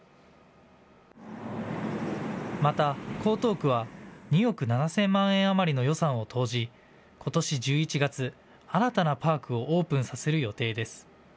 また江東区は２億７０００万円余りの予算を投じ、ことし１１月、新たなパークをオープンさせる予定です。